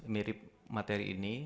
mirip materi ini